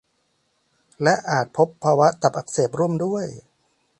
และอาจพบภาวะตับอักเสบร่วมด้วย